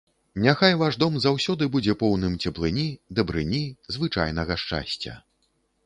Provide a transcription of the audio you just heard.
Няхай ваш дом заўсёды будзе поўным цеплыні, дабрыні, звычайнага шчасця.